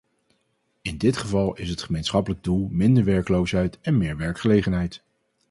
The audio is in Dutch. In dit geval is het gemeenschappelijke doel minder werkloosheid en meer werkgelegenheid.